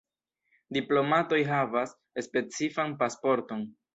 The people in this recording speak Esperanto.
Diplomatoj havas specifan pasporton.